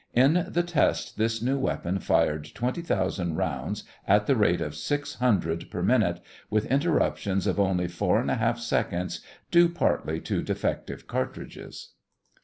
In the test this new weapon fired twenty thousand shots at the rate of six hundred per minute, with interruptions of only four and a half seconds, due partly to defective cartridges.